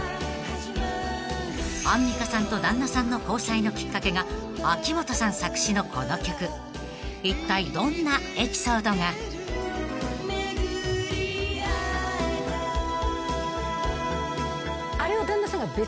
［アンミカさんと旦那さんの交際のきっかけが秋元さん作詞のこの曲］「めぐり逢えた」